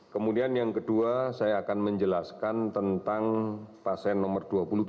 kemudian yang kedua saya akan menjelaskan tentang pasien nomor dua puluh tujuh